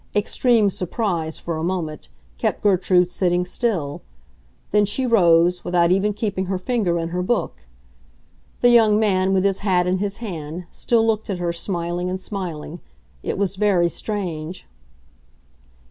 Extreme surprise, for a moment, kept Gertrude sitting still; then she rose, without even keeping her finger in her book. The young man, with his hat in his hand, still looked at her, smiling and smiling. It was very strange.